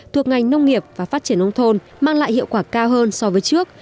thuộc ngành nông nghiệp và phát triển nông thôn mang lại hiệu quả cao hơn so với trước